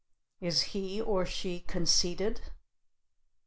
Is he or she conceited?